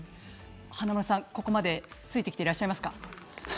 華丸さん、ここまでついてきていらっしゃいますか。